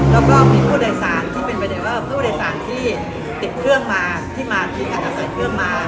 แล้วก็มีผู้โดยสารที่เป็นผู้โดยสารที่ติดเครื่องมาที่มาที่การขับใส่เครื่องมา